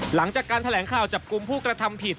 หลังจากการแถลงข่าวจับกลุ่มผู้กระทำผิด